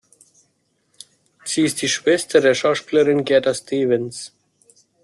Sie ist die Schwester der Schauspielerin Gerda Stevens.